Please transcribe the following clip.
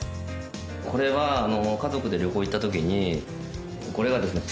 これは家族で旅行行った時にこれがですね